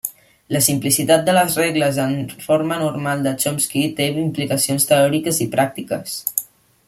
La simplicitat de les regles en forma normal de Chomsky té implicacions teòriques i pràctiques.